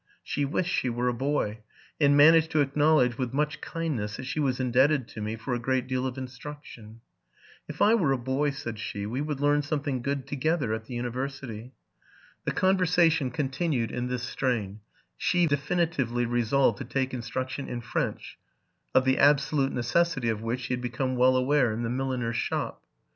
She wished she were a boy, and managed to acknowledge, with much kindness, that she was indebted to me for a great deal of instruction. ''If IT were a boy,'' said she, '* we would learn something good together at the university."' The conversation continued in this strain : she definitively resolved to take instruction in French, of the absolute necessity of which she had become well aware in the milliner's shop.